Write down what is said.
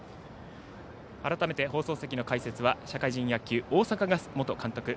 改めて放送席の解説は社会人野球大阪ガス元監督